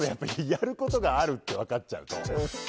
やることがあるって分かっちゃうと。